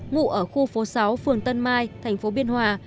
ngụ ở khu phố sáu phường tân mai tp biên hòa